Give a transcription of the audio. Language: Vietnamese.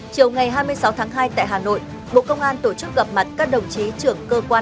chiều ngày hai mươi sáu tháng hai tại hà nội bộ công an tổ chức gặp mặt các đồng chí trưởng cơ quan